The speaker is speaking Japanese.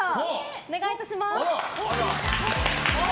お願いいたします。